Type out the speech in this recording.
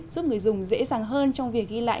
giúp người dùng dễ dàng hơn trong việc ghi lại